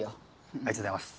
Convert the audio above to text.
ありがとうございます。